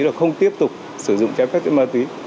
là không tiếp tục sử dụng trái phép chất ma túy